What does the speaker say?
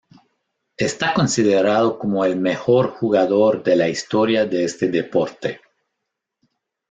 Está considerado como el mejor jugador de la historia de este deporte.